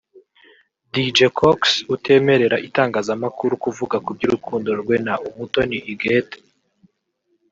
Dj Cox utemerera itangazamakuru kuvuga ku by’urukundo rwe na Umutoni Huguette